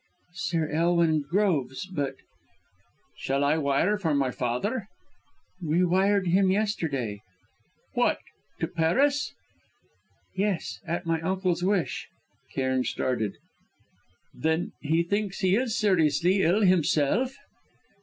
"Sir Elwin Groves, but " "Shall I wire for my father?" "We wired for him yesterday!" "What! to Paris?" "Yes, at my uncle's wish." Cairn started. "Then he thinks he is seriously ill, himself?"